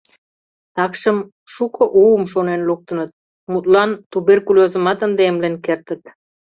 Такшым шуко уым шонен луктыныт, мутлан, туберкулёзымат ынде эмлен кертыт.